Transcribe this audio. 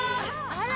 あら！